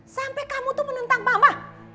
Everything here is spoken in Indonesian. sampai kamu tuh menentang mama